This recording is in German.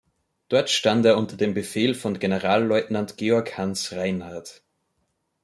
Dort stand er unter Befehl von Generalleutnant Georg-Hans Reinhardt.